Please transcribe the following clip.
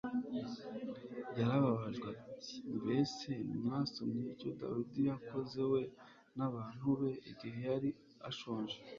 Yarababwiye at; : "Mbese ntimwasomye icyo Dawidi yakoze we n'abantu be igihe yari ashonje,